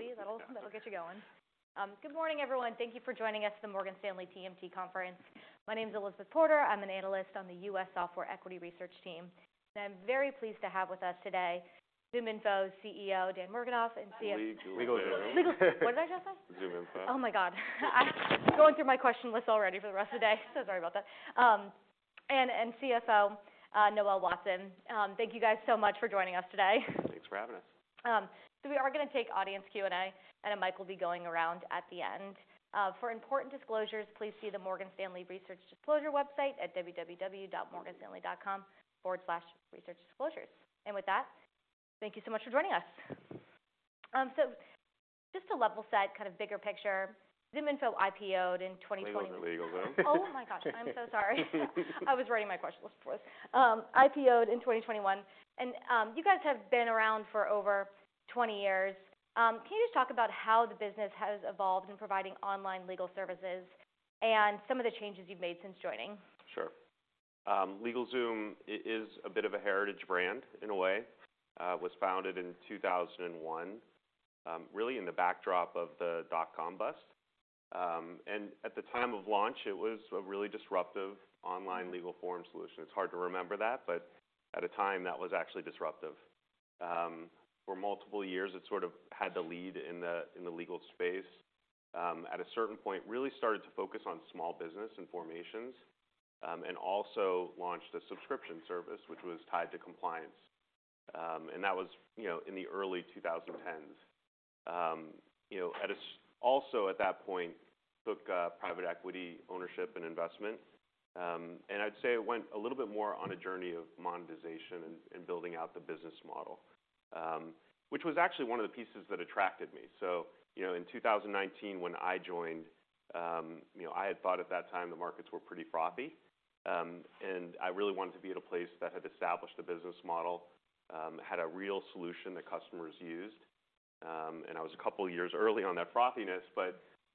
Had your cup of coffee? That'll get you going. Good morning, everyone. Thank you for joining us at the Morgan Stanley TMT conference. My name's Elizabeth Porter. I'm an analyst on the U.S. Software Equity Research team, and I'm very pleased to have with us today LegalZoom CEO Dan Wernikoff. LegalZoom. What did I just say? ZoomInfo. Oh, my God. I'm going through my question list already for the rest of the day. Sorry about that. CFO Noel Watson. Thank you guys so much for joining us today. Thanks for having us. We are gonna take audience Q&A, and a mic will be going around at the end. For important disclosures, please see the Morgan Stanley research disclosure website at www.morganstanley.com/researchdisclosures. With that, thank you so much for joining us. Just to level set, kind of bigger picture, LegalZoom IPO'd in 2020- LegalZoom. Oh, my gosh, I'm so sorry. I was reading my question list for this. IPO'd in 2021, you guys have been around for over 20 years. Can you just talk about how the business has evolved in providing online legal services and some of the changes you've made since joining? Sure. LegalZoom is a bit of a heritage brand in a way. was founded in 2001, really in the backdrop of the dot-com bust. At the time of launch, it was a really disruptive online legal form solution. It's hard to remember that, but at a time that was actually disruptive. For multiple years, it sort of had the lead in the legal space. At a certain point, really started to focus on small businesses and formations, also launched a subscription service which was tied to compliance. That was, you know, in the early 2010s. You know, also at that point, took private equity ownership and investment. I'd say it went a little bit more on a journey of monetization and building out the business model, which was actually one of the pieces that attracted me. You know, in 2019, when I joined, you know, I had thought at that time the markets were pretty frothy, and I really wanted to be at a place that had established a business model, had a real solution that customers used. I was a couple of years early on that frothiness,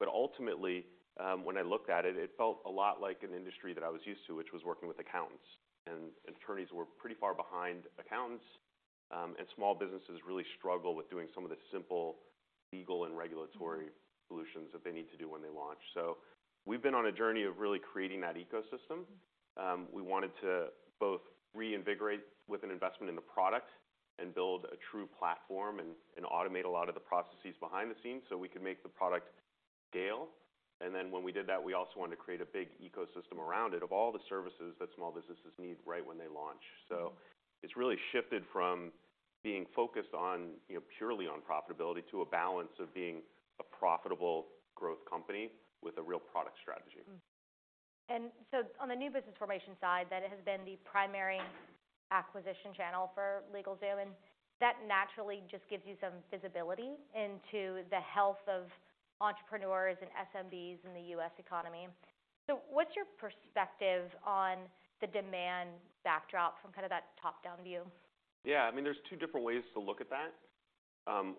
ultimately, when I looked at it felt a lot like an industry that I was used to, which was working with accountants. Attorneys were pretty far behind accountants, and small businesses really struggle with doing some of the simple legal and regulatory solutions that they need to do when they launch. We've been on a journey of really creating that ecosystem. We wanted to both reinvigorate with an investment in the product and build a true platform and automate a lot of the processes behind the scenes, so we could make the product scale. Then, when we did that, we also wanted to create a big ecosystem around it of all the services that small businesses need right when they launch. It's really shifted from being focused on, you know, purely on profitability, to a balance of being a profitable growth company with a real product strategy. On the new business formation side, that has been the primary acquisition channel for LegalZoom, and that naturally just gives you some visibility into the health of entrepreneurs and SMBs in the U.S. economy. What's your perspective on the demand backdrop from kind of that top-down view? Yeah, I mean, there are two different ways to look at that.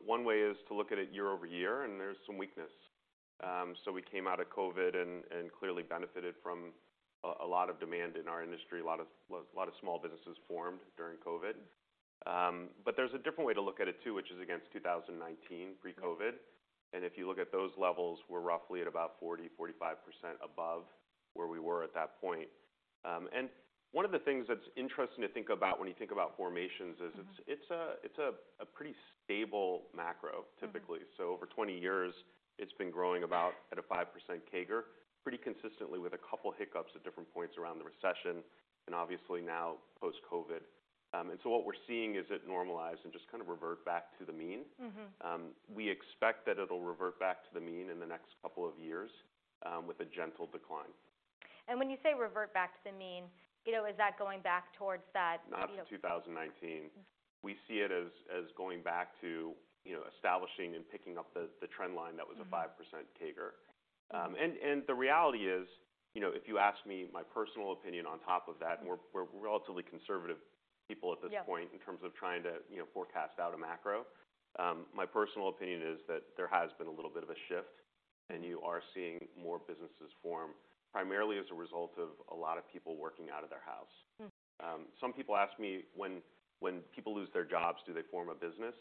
One way is to look at it year-over-year, and there's some weakness. We came out of COVID and clearly benefited from a lot of demand in our industry; a lot of small businesses formed during COVID. There's a different way to look at it, too, which is against 2019, pre-COVID. If you look at those levels, we're roughly at about 40-45% above where we were at that point. One of the things that's interesting to think about when you think about formations. Mm-hmm It's a pretty stable macro typically. Mm-hmm. Over 20 years, it's been growing at a 5% CAGR, pretty consistently with a couple of hiccups at different points around the recession and obviously now post-COVID. What we're seeing is that it normalizes and just kind of reverts back to the mean. Mm-hmm. We expect that it'll revert to the mean in the next couple of years, with a gentle decline. When you say revert back to the mean, you know, is that going back towards that, you know? Up to 2019. We see it as going back to, you know, establishing and picking up the trend line that was a 5% CAGR. The reality is, you know, if you ask me my personal opinion on top of that, we're relatively conservative people at this point. Yeah ...in terms of trying to, you know, forecast out a macro. My personal opinion is that there has been a little bit of a shift, and you are seeing more businesses form primarily as a result of a lot of people working out of their homes. Mm. Some people ask me, "When people lose their jobs, do they form a business?"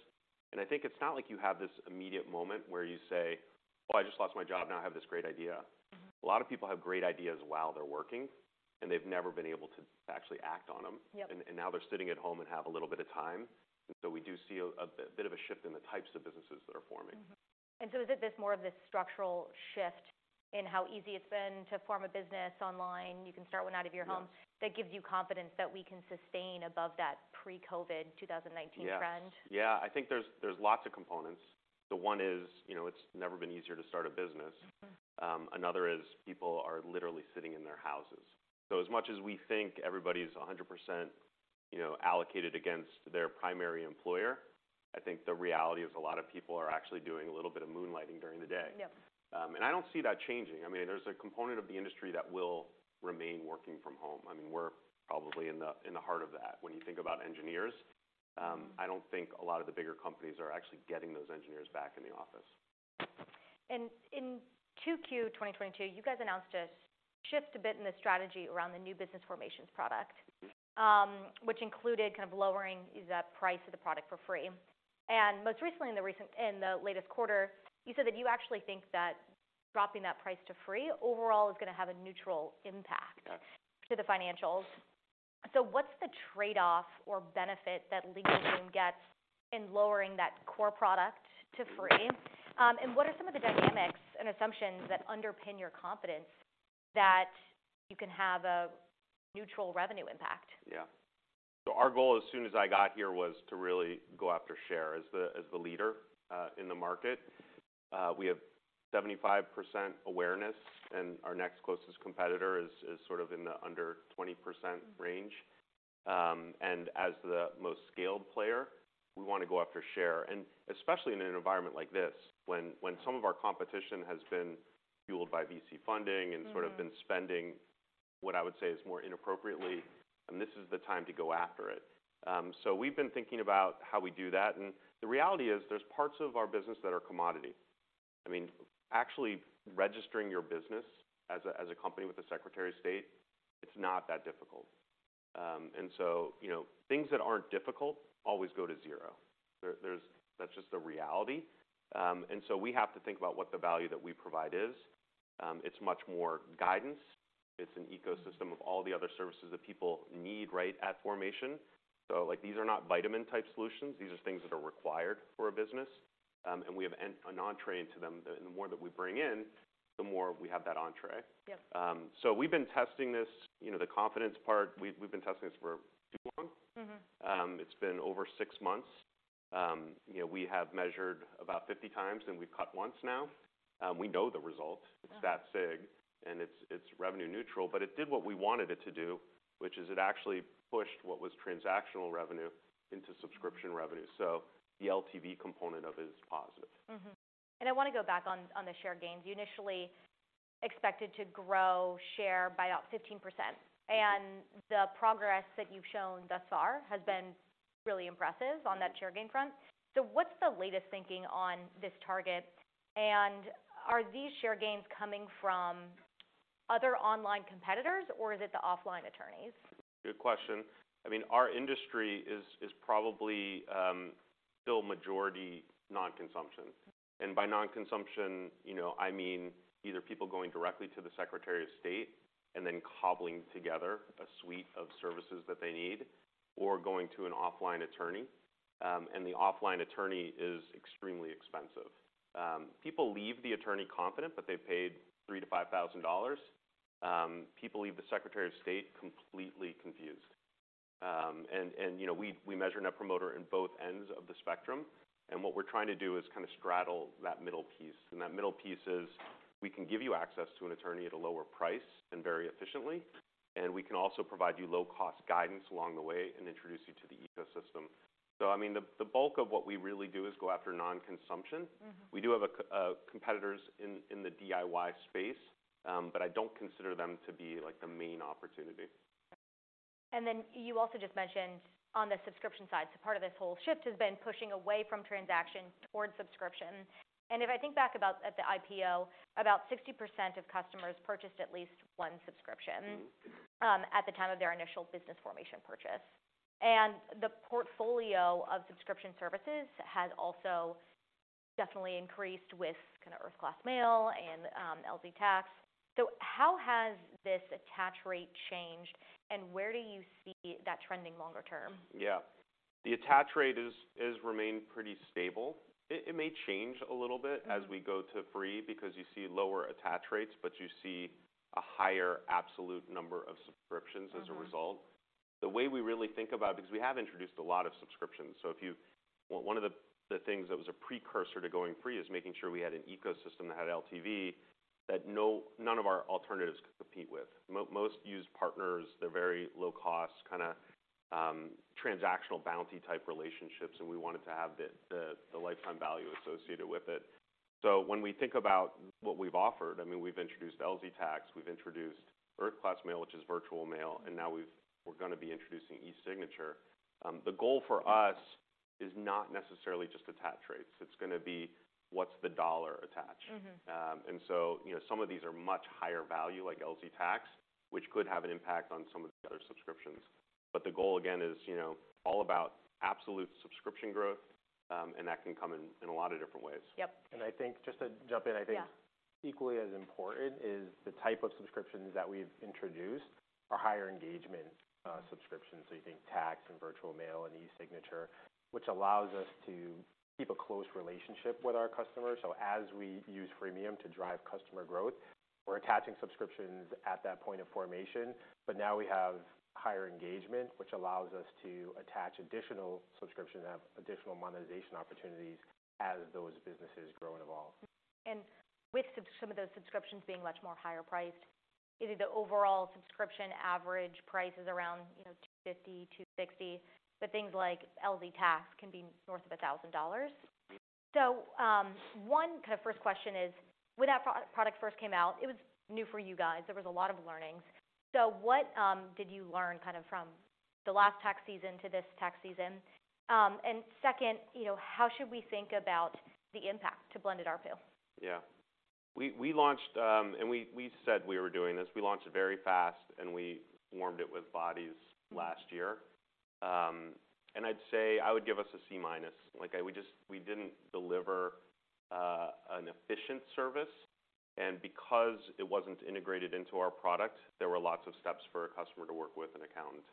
I think it's not like you have this immediate moment where you say, "Oh, I just lost my job, now I have this great idea. Mm-hmm. A lot of people have great ideas while they're working, and they've never been able to actually act on them. Yep. Now they're sitting at home and have a little bit of time. We do see a bit of a shift in the types of businesses that are forming. Mm-hmm. Is this more of a structural shift in how easy it's been to form a business online, or can you start one out of your home? Yeah ...that gives you confidence that we can sustain above that pre-COVID 2019 trend? Yes. Yeah. I think there are lots of components. The one is, you know, it's never been easier to start a business. Mm-hmm. Another is that people are literally sitting in their houses. As much as we think everybody's 100%, you know, allocated against their primary employer, I think the reality is a lot of people are actually doing a little bit of moonlighting during the day. Yep. I don't see that changing. I mean, there's a component of the industry that will remain working from home. I mean, we're probably in the, in the heart of that when you think about engineers. I don't think a lot of the bigger companies are actually getting those engineers back in the office. In 2Q 2022, you guys announced a shift in the strategy around the new business formations product, which included kind of lowering the price of the product for free. Most recently, in the latest quarter, you said that you actually think that dropping that price to free overall is gonna have a neutral impact. Yeah. -to the financials. What's the trade-off or benefit that LegalZoom gets in lowering the core product to free? What are some of the dynamics and assumptions that underpin your confidence that you can have a neutral revenue impact? Yeah. Our goal as soon as I got here was to really go after share as the leader in the market. We have 75% awareness, and our next closest competitor is sort of in the under 20% range. As the most scaled player, we wanna go after share. Especially in an environment like this, when some of our competition has been fueled by VC funding. Mm-hmm. -sort of been spending what I would say is more inappropriately, and this is the time to go after it. We've been thinking about how we do that, and the reality is there are parts of our business that are commodities. I mean, actually registering your business as a company with the Secretary of State, it's not that difficult. You know, things that aren't difficult always go to zero. That's just the reality. We have to think about what value we provide. It provides much more guidance. It's an ecosystem of all the other services that people need right at formation. Like, these are not vitamin-type solutions. These are things that are required for a business. We have an entree into them. The more that we bring in, the more we have that entree. Yep. We've been testing this, you know, the confidence part, we've been testing this for too long. Mm-hmm. It's been over six months. You know, we have measured about 50 times, and we've cut once now. We know the result. Yeah. It's that sig, and it's revenue neutral, but it did what we wanted it to do, which is it actually pushed what transactional revenue into subscription revenue was. The LTV component of it is positive. I wanna go back on the share gains. You initially expected to grow share by about 15%. Mm-hmm. The progress that you've shown thus far has been really impressive on that share gain front. What's the latest thinking on this target? Are these share gains coming from other online competitors, or is it the offline attorneys? Good question. I mean, our industry is probably still majority non-consumption. By non-consumption, you know, I mean either people going directly to the Secretary of State and then cobbling together a suite of services that they need, or going to an offline attorney. The offline attorney is extremely expensive. People leave the attorney confident that they paid $3,000-$5,000. People leave the Secretary of State completely confused. You know, we measure Net Promoter in both ends of the spectrum, and what we're trying to do is kind of straddle that middle piece. That middle piece is that we can give you access to an attorney at a lower price and very efficiently, and we can also provide you with low-cost guidance along the way and introduce you to the ecosystem. I mean, the bulk of what we really do is go after non-consumption. Mm-hmm. We do have competitors in the DIY space, but I don't consider them to be the main opportunity. You also just mentioned on the subscription side, part of this whole shift has been pushing away from transaction towards subscription. If I think back to the IPO, about 60% of customers purchased at least one subscription at the time of their initial business formation purchase. The portfolio of subscription services has also definitely increased with kinda Earth Class Mail and LZ Tax. How has this attach rate changed, and where do you see that trending longer term? Yeah. The attach rate is remained pretty stable. It may change a little bit. Mm. As we go to free, because you see lower attach rates, but you see a higher absolute number of subscriptions as a result. Mm-hmm. The way we really think about it is that we have introduced a lot of subscriptions. One of the things that was a precursor to going free is making sure we had an ecosystem that had an LTV that none of our alternatives could compete with. Most used partners, they're very low cost, kinda, transactional bounty type relationships, and we wanted to have the lifetime value associated with it. When we think about what we've offered, I mean, we've introduced LZ Tax, we've introduced Earth Class Mail, which is virtual mail, and now we're gonna be introducing e-signature. The goal for us is not necessarily just attach rates. It's gonna be what's the dollar attach. Mm-hmm. You know, some of these are much higher value, like LZ Tax, which could have an impact on some of the other subscriptions. The goal again is, you know, all about absolute subscription growth, and that can come in a lot of different ways. Yep. I think just to jump in. Yeah. Equally as important is the type of subscriptions that we've introduced, which are higher engagement, subscriptions. You think LZ Tax, Earth Class Mail, and e-signature, which allows us to keep a close relationship with our customers. As we use freemium to drive customer growth, we're attaching subscriptions at that point of formation, but now we have higher engagement, which allows us to attach additional subscriptions, have additional monetization opportunities as those businesses grow and evolve. With some of those subscriptions being much higher priced, you know, the overall subscription average price is around, you know, $250, $260, but things like LZ Tax can be north of $1,000. One kind of first question is, when that product first came out, it was new for you guys. There was a lot of learnings. What did you learn kind of from the last tax season to this tax season? Second, you know, how should we think about the impact to blended ARPU? Yeah. We launched. We said we were doing this. We launched very fast, and we formed it with bodies last year. I'd say I would give us a C-minus. Like we didn't deliver an efficient service, and because it wasn't integrated into our product, there were lots of steps for a customer to work with an accountant.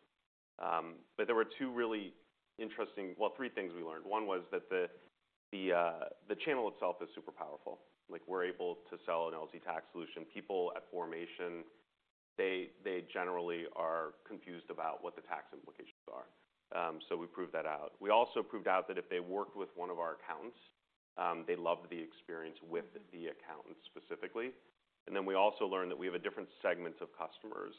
There were 2 really interesting. Well, 3 things we learned. 1 was that the channel itself is super powerful. Like, we're able to sell an LZ Tax solution. People at formation, they generally are confused about what the tax implications are. We proved that out. We also proved that if they worked with 1 of our accountants, they loved the experience with the accountant specifically. We also learned that we have a different segment of customers.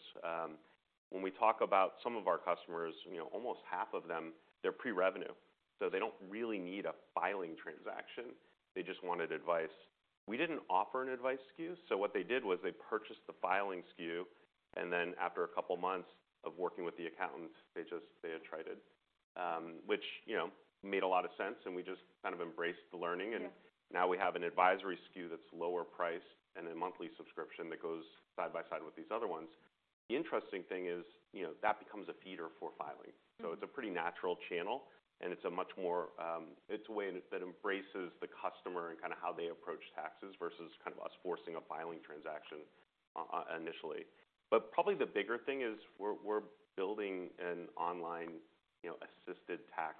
When we talk about some of our customers, you know, almost half of them they're pre-revenue. They don't really need a filing transaction; they just wanted advice. We didn't offer an advice SKU, so what they did was they purchased the filing SKU, and then after a couple of months of working with the accountants, they attrited. Which, you know, made a lot of sense, and we just kind of embraced the learning. Yeah. Now we have an advisory SKU that's lower priced and a monthly subscription that goes side by side with these other ones. The interesting thing is, you know, that it becomes a feeder for filing. Mm-hmm. It's a pretty natural channel. It's a way that embraces the customer and kinda how they approach taxes versus kind of us forcing a filing transaction initially. Probably the bigger thing is we're building an online, you know, assisted tax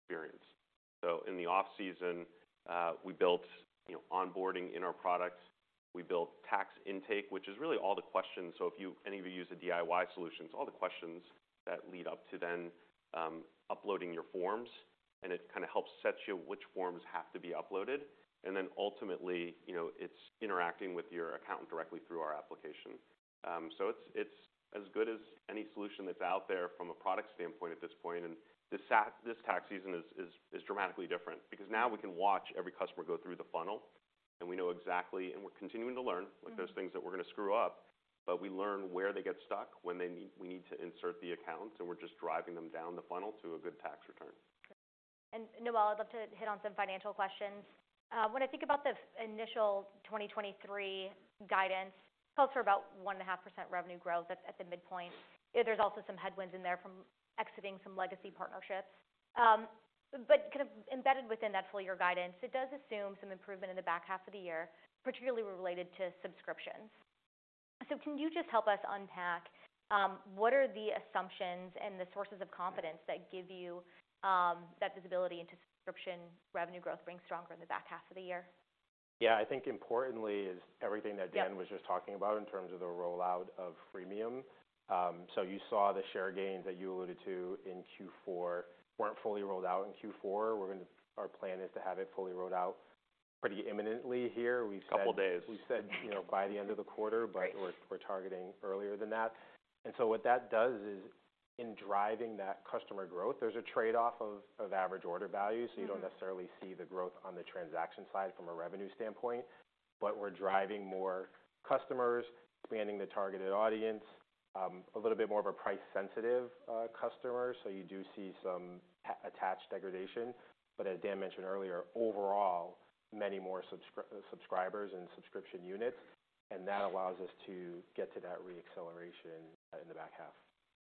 experience. In the off-season, we built, you know, onboarding in our products. We built tax intake, which is really all the questions. If any of you use the DIY solutions, all the questions that lead up to uploading your forms, and it kinda helps set you which forms have to be uploaded. Ultimately, you know, it's interacting with your accountant directly through our application. It's as good as any solution that's out there from a product standpoint at this point. This tax season is dramatically different because now we can watch every customer go through the funnel, and we know exactly. We're continuing to learn. Mm-hmm. There are things that we're gonna screw up, but we learn where they get stuck, when we need to insert the accounts, and we're just driving them down the funnel to a good tax return. Noel, I'd love to hit on some financial questions. When I think about the initial 2023 guidance, calls for about 1.5% revenue growth at the midpoint. There's also some headwinds in there from exiting some legacy partnerships. But kind of embedded within that full year guidance, it does assume some improvement in the back half of the year, particularly related to subscriptions. Can you just help us unpack what are the assumptions and the sources of confidence that give you that visibility into subscription revenue growth being stronger in the back half of the year? Yeah. I think importantly is everything that Dan- Yep. Was just talking about in terms of the rollout of freemium. You saw the share gains that you alluded to in Q4 weren't fully rolled out in Q4. Our plan is to have it fully rolled out pretty imminently here. We've said. A couple of days. We've said, you know, by the end of the quarter. Great. We're targeting earlier than that. What that does is in driving that customer growth, there's a trade-off of average order value. Mm-hmm. You don't necessarily see the growth on the transaction side from a revenue standpoint. We're driving more customers, expanding the targeted audience, a little bit more of a price-sensitive customer. You do see some at-attached degradation. As Dan mentioned earlier, overall, many more subscribers and subscription units, and that allows us to get to that re-acceleration in the back half.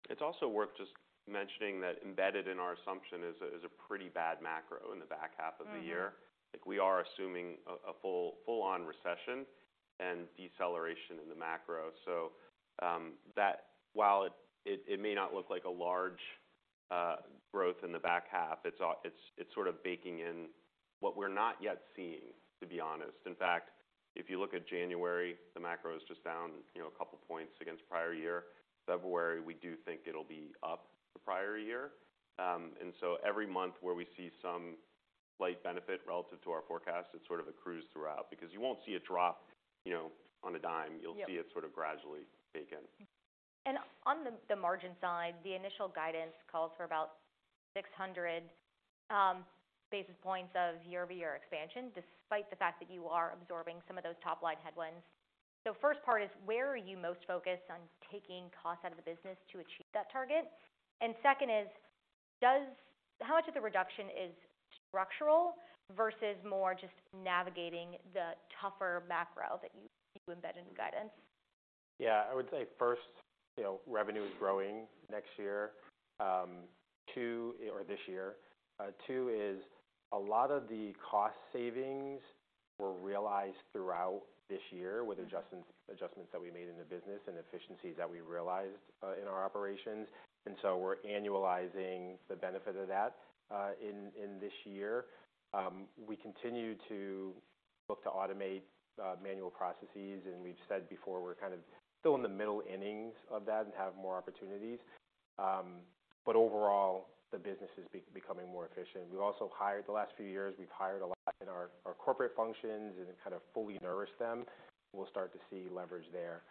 It's also worth just mentioning that embedded in our assumption is a pretty bad macro in the back half of the year. Mm-hmm. We are assuming a full-on recession and deceleration in the macro. That while it may not look like a large growth in the back half, it's sort of baking in what we're not yet seeing, to be honest. In fact, if you look at January, the macro is just down, you know, a couple of points against prior year. February, we do think it'll be up the prior year. Every month where we see some slight benefit relative to our forecast, it sort of accrues throughout because you won't see a drop, you know, on a dime. Yep. You'll see it sort of gradually bake in. On the margin side, the initial guidance calls for about 600 basis points of year-over-year expansion, despite the fact that you are absorbing some of those top-line headwinds. First part is, where are you most focused on taking costs out of the business to achieve that target? Second is, how much of the reduction is structural versus more just navigating the tougher macro that you embed in the guidance? I would say first, you know, revenue is growing next year, this year. 2 is a lot of the cost savings were realized throughout this year. Mm-hmm. with adjustments that we made in the business and efficiencies that we realized in our operations. We're annualizing the benefit of that in this year. We continue to look to automate manual processes, and we've said before, we're kind of still in the middle innings of that and have more opportunities. Overall, the business is becoming more efficient. We've also hired the last few years, we've hired a lot in our corporate functions and kind of fully nourished them. We'll start to see leverage there.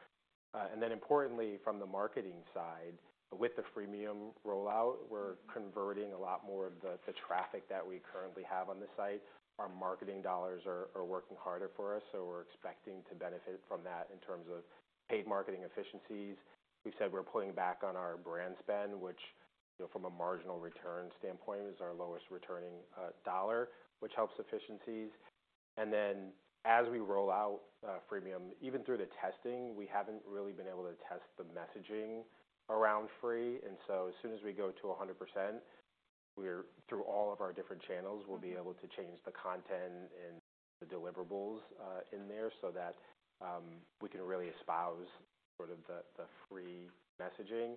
Importantly, from the marketing side, with the freemium rollout, we're converting a lot more of the traffic that we currently have on the site. Our marketing dollars are working harder for us, so we're expecting to benefit from that in terms of paid marketing efficiencies. We said we're pulling back on our brand spend, which, you know, from a marginal return standpoint is our lowest returning dollar, which helps efficiencies. Then as we roll out freemium, even through the testing, we haven't really been able to test the messaging around free. So as soon as we go to 100%, through all of our different channels, we'll be able to change the content and the deliverables in there so that we can really espouse the free messaging.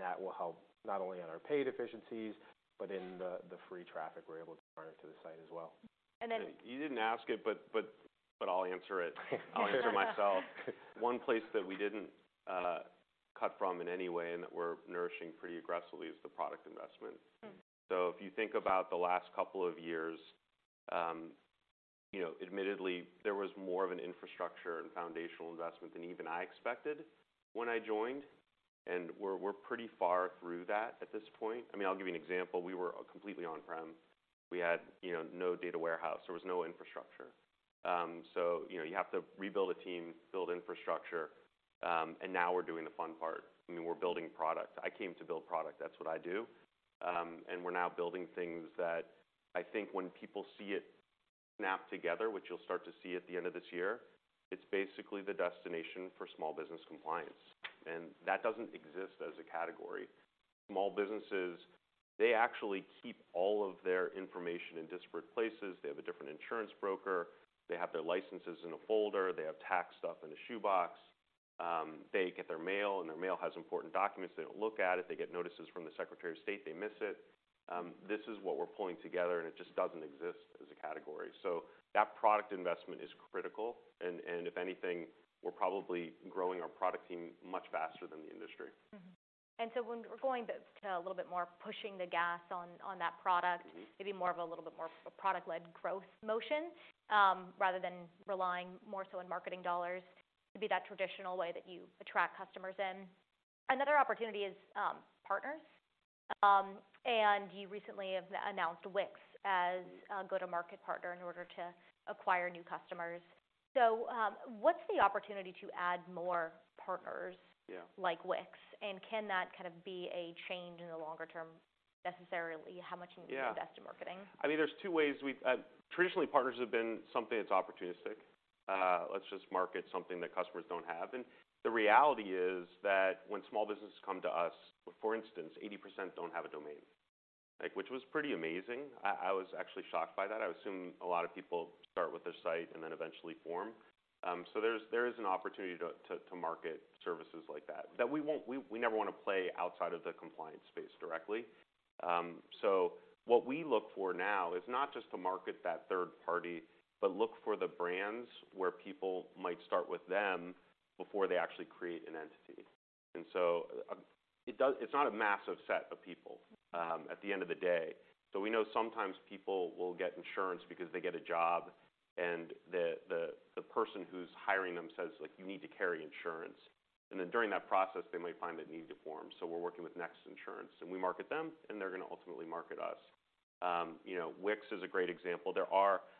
That will help not only on our paid efficiencies, but in the free traffic we're able to drive to the site as well. And then- You didn't ask it, but I'll answer it. I'll answer myself. One place that we didn't cut from in any way, and that we're nourishing pretty aggressively is the product investment. Mm. If you think about the last couple of years, you know, admittedly, there was more of an infrastructure and foundational investment than even I expected when I joined, and we're pretty far through that at this point. I mean, I'll give you an example. We were completely on-prem. We had, you know, no data warehouse. There was no infrastructure. You know, you have to rebuild a team, build infrastructure, and now we're doing the fun part. I mean, we're building product. I came to build product. That's what I do. And we're now building things that I think when people see it snap together, which you'll start to see at the end of this year, it's basically the destination for small business compliance. That doesn't exist as a category. Small businesses, they actually keep all of their information in disparate places. They have a different insurance broker. They have their licenses in a folder. They have tax stuff in a shoebox. They get their mail, and their mail has important documents. They don't look at it. They get notices from the Secretary of State. They miss it. This is what we're pulling together, and it just doesn't exist as a category. That product investment is critical and if anything, we're probably growing our product team much faster than the industry. When we're going a bit, a little bit more pushing the gas on that product- Mm-hmm ...maybe more of a little bit more of a product-led growth motion, rather than relying more so on marketing dollars to be that traditional way that you attract customers in. Another opportunity is partners. You recently have announced Wix as a go-to-market partner in order to acquire new customers. What's the opportunity to add more partners? Yeah ...like Wix, and can that kind of be a change in the longer term necessarily how much... Yeah need to invest in marketing? I mean, there's two ways traditionally, partners have been something that's opportunistic. Let's just market something that customers don't have. The reality is that when small businesses come to us, for instance, 80% don't have a domain. Like, which was pretty amazing. I was actually shocked by that. I assume a lot of people start with a site and then eventually form. There is an opportunity to market services like that. That we never wanna play outside of the compliance space directly. What we look for now is not just to market that third party, but look for the brands where people might start with them before they actually create an entity. It's not a massive set of people at the end of the day. We know sometimes people will get insurance because they get a job, and the person who's hiring them says, like, "You need to carry insurance." During that process, they might find they need to form. We're working with Next Insurance, and we market them, and they're gonna ultimately market us. You know, Wix is a great example.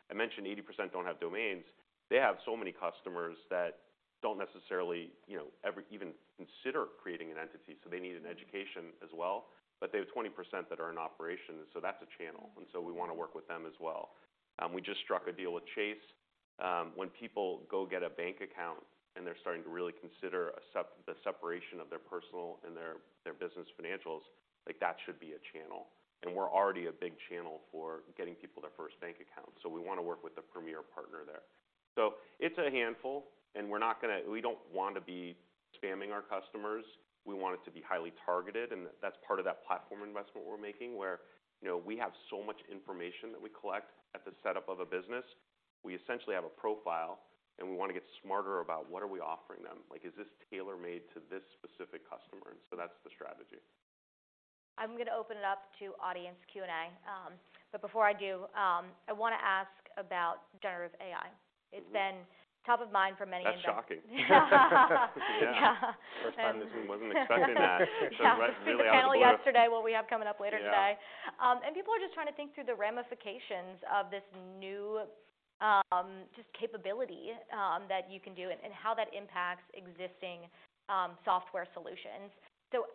I mentioned 80% don't have domains. They have so many customers that don't necessarily, you know, ever even consider creating an entity. They need an education as well. They have 20% that are in operation. That's a channel. We wanna work with them as well. We just struck a deal with Chase. When people go get a bank account and they're starting to really consider the separation of their personal and their business financials, like, that should be a channel. We're already a big channel for getting people their first bank account. We wanna work with a premier partner there. It's a handful, and we don't want to be spamming our customers. We want it to be highly targeted, and that's part of that platform investment we're making, where, you know, we have so much information that we collect at the setup of a business. We essentially have a profile, and we wanna get smarter about what are we offering them. Like, is this tailor-made to this specific customer? That's the strategy. I'm gonna open it up to audience Q&A. Before I do, I wanna ask about generative AI. Mm-hmm. It's been top of mind for many... That's shocking. Yeah. First time this room wasn't expecting that. Yeah. See the panel yesterday, what we have coming up later today. Yeah. People are just trying to think through the ramifications of this new, just capability, that you can do and how that impacts existing software solutions.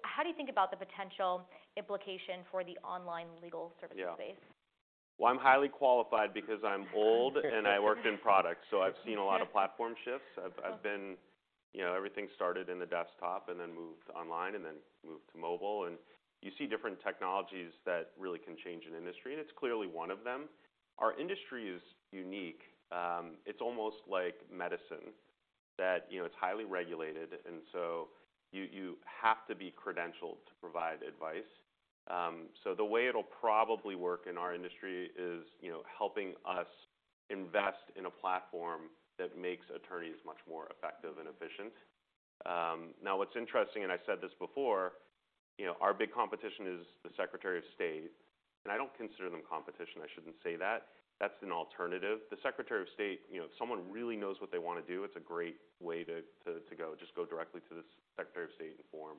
How do you think about the potential implication for the online legal services space? Well, I'm highly qualified because I'm old and I worked in product. I've seen a lot of platform shifts. You know, everything started in the desktop and then moved online and then moved to mobile. You see different technologies that really can change an industry. It's clearly one of them. Our industry is unique. It's almost like medicine that, you know, it's highly regulated, so you have to be credentialed to provide advice. The way it'll probably work in our industry is, you know, helping us invest in a platform that makes attorneys much more effective and efficient. Now what's interesting, I said this before, you know, our big competition is the Secretary of State. I don't consider them competition, I shouldn't say that. That's an alternative. The Secretary of State, you know, if someone really knows what they wanna do, it's a great way to go. Just go directly to the Secretary of State and form.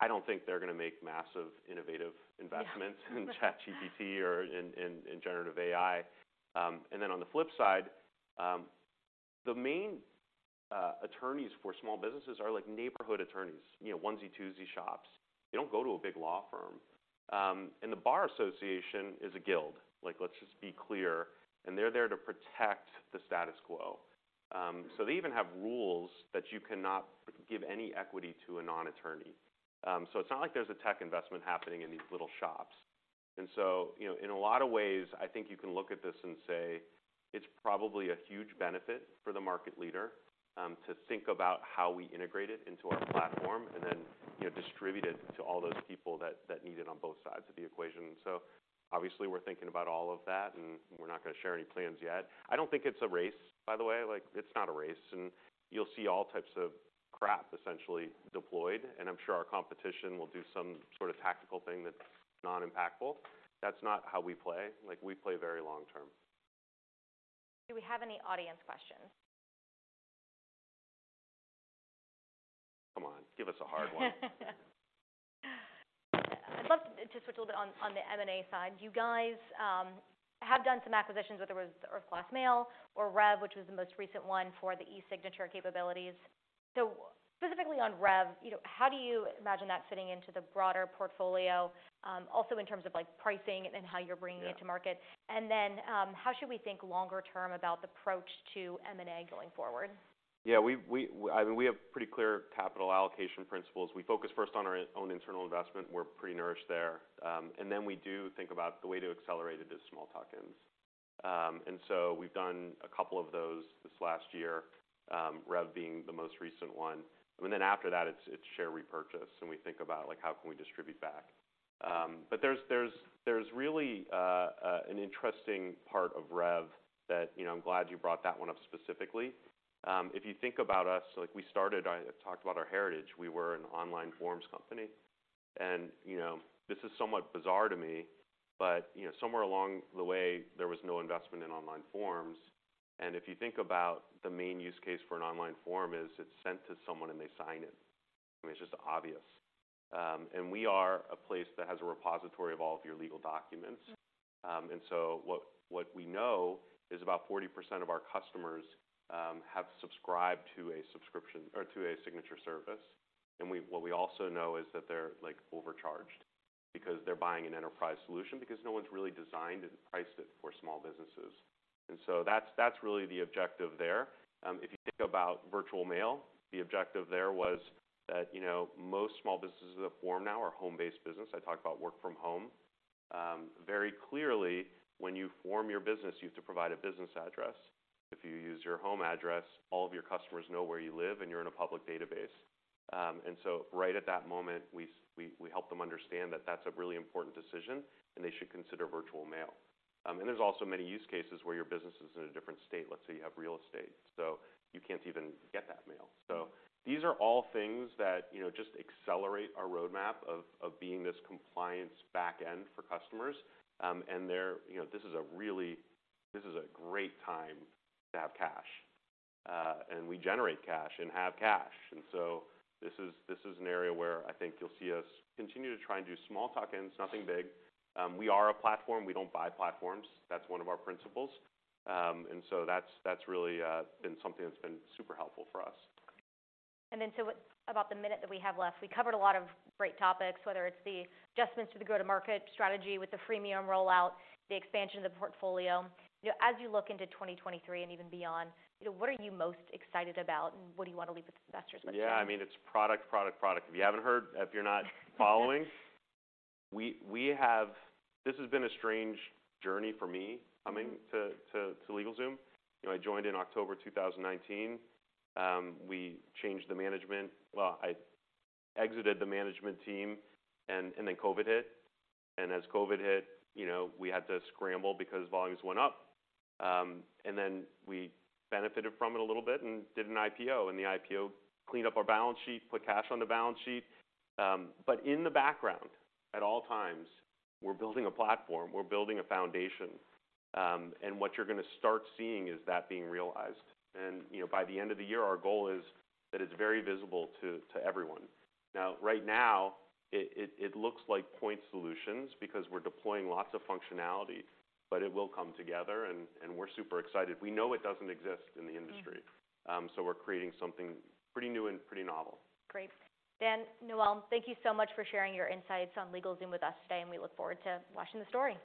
I don't think they're gonna make massive innovative investments- Yeah. -in ChatGPT or in, in generative AI. Then on the flip side, the main attorneys for small businesses are like neighborhood attorneys. You know, onesie, twosie shops. They don't go to a big law firm. The bar association is a guild, like let's just be clear, and they're there to protect the status quo. They even have rules that you cannot give any equity to a non-attorney. It's not like there's a tech investment happening in these little shops. You know, in a lot of ways, I think you can look at this and say, it's probably a huge benefit for the market leader, to think about how we integrate it into our platform, and then, you know, distribute it to all those people that need it on both sides of the equation. Obviously we're thinking about all of that, and we're not gonna share any plans yet. I don't think it's a race, by the way. Like, it's not a race. You'll see all types of crap essentially deployed, I'm sure our competition will do some sort of tactical thing that's non-impactful. That's not how we play. Like, we play very long term. Do we have any audience questions? Come on, give us a hard one. I'd love to switch a little bit on the M&A side. You guys have done some acquisitions, whether it was Earth Class Mail or Revv, which was the most recent one for the e-signature capabilities. Specifically on Revv, you know, how do you imagine that fitting into the broader portfolio? Also in terms of like pricing and how you're bringing it to market. Yeah. How should we think longer term about the approach to M&A going forward? Yeah. We I mean, we have pretty clear capital allocation principles. We focus first on our own internal investment. We're pretty nourished there. Then we do think about the way to accelerate it is small tuck-ins. So we've done a couple of those this last year, Revv being the most recent one. Then after that it's share repurchase, and we think about, like, how can we distribute back. There's really an interesting part of Revv that, you know, I'm glad you brought that one up specifically. If you think about us, like we started, I talked about our heritage, we were an online forms company. You know, this is somewhat bizarre to me, but, you know, somewhere along the way, there was no investment in online forms. If you think about the main use case for an online form is it's sent to someone, and they sign it. I mean, it's just obvious. We are a place that has a repository of all of your legal documents. Mm-hmm. What we know is about 40% of our customers have subscribed to a subscription or to a signature service. What we also know is that they're like overcharged because they're buying an enterprise solution because no one's really designed and priced it for small businesses. That's really the objective there. If you think about virtual mail, the objective there was that, you know, most small businesses that form now are home-based business. I talk about work from home. Very clearly, when you form your business, you have to provide a business address. If you use your home address, all of your customers know where you live, and you're in a public database. Right at that moment, we help them understand that that's a really important decision and they should consider virtual mail. There's also many use cases where your business is in a different state. Let's say you have real estate, so you can't even get that mail. These are all things that, you know, just accelerate our roadmap of being this compliance back end for customers. They're, you know, this is a really this is a great time to have cash, and we generate cash and have cash. This is, this is an area where I think you'll see us continue to try and do small tuck-ins, nothing big. We are a platform, we don't buy platforms. That's one of our principles. That's, that's really, been something that's been super helpful for us. With about the minute that we have left, we covered a lot of great topics, whether it's the adjustments to the go-to-market strategy with the freemium rollout, the expansion of the portfolio. You know, as you look into 2023 and even beyond, you know, what are you most excited about, and what do you wanna leave with investors with today? Yeah, I mean, it's product, product. If you haven't heard, if you're not following. This has been a strange journey for me coming to LegalZoom. You know, I joined in October 2019. We changed the management. Well, I exited the management team, and then COVID hit. As COVID hit, you know, we had to scramble because volumes went up. Then we benefited from it a little bit and did an IPO, and the IPO cleaned up our balance sheet, put cash on the balance sheet. In the background at all times, we're building a platform, we're building a foundation. What you're gonna start seeing is that being realized. You know, by the end of the year, our goal is that it's very visible to everyone. Right now, it looks like point solutions because we're deploying lots of functionality. It will come together and we're super excited. We know it doesn't exist in the industry. Mm-hmm. We're creating something pretty new and pretty novel. Great. Dan Wernikoff, thank you so much for sharing your insights on LegalZoom with us today. We look forward to watching the story.